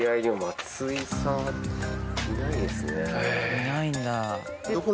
いないんだ。